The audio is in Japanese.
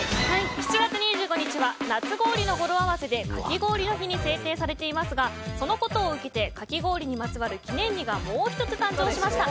７月２５日はごろ合わせでかき氷の日に制定されていますがそのことを受けてかき氷にまつわる記念日がもう１つ誕生しました。